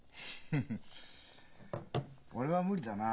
フフッ俺は無理だな。